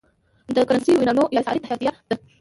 دا Currency Union یا اسعاري اتحادیه ده.